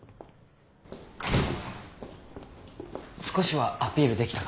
少しはアピールできたかな？